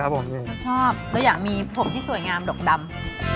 ครับผมเราชอบเราอยากมีผมที่สวยงามดอกดำ